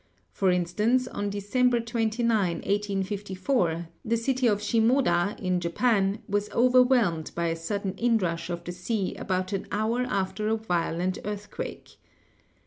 For instance, on December 29, 1854, the city of Simoda, in Japan, was overwhelmed by a sudden inrush of the sea about an hour after a violent earthquake.